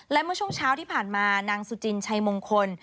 และเมื่อช่วงเช้าที่ผ่านมานางสุจินชัยมงคล